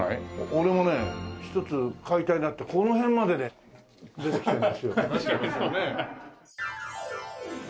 俺もね１つ買いたいなってこの辺までね出てきてるんですよ。